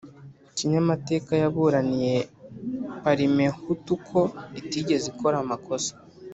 kinyamateka yaburaniye parimehutuko itigeze ikora amakosa